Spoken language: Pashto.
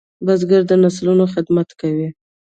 بزګر د نسلونو خدمت کوي